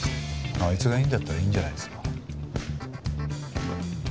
あいつがいいんだったらいいんじゃないですか。